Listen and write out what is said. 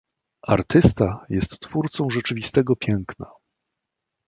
Artysta jest twórcą rzeczywistego piękna.